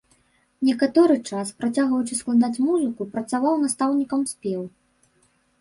Некаторы час, працягваючы складаць музыку, працаваў настаўнікам спеву.